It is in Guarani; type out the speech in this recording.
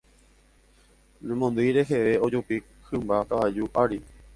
Ñemondýi reheve ojupi hymba kavaju ári.